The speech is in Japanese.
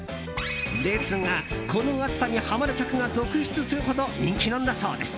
ですが、この熱さにハマる客が続出するほど人気なんだそうです。